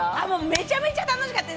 めちゃめちゃ楽しかった。